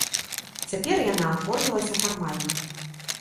Цяпер яна аформілася фармальна.